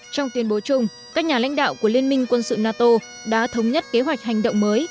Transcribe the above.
trong tuyên bố chung các nhà lãnh đạo của liên minh quân sự nato đã thống nhất kế hoạch hành động mới